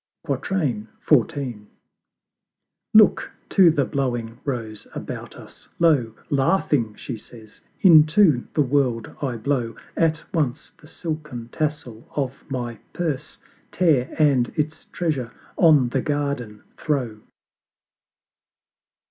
XIV. Look to the blowing Rose about us "Lo, Laughing," she says, "into the world I blow, At once the silken tassel of my Purse Tear, and its Treasure on the Garden throw."